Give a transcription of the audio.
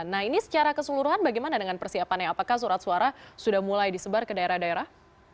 nah ini secara keseluruhan bagaimana dengan persiapannya apakah surat suara sudah mulai disebar ke daerah daerah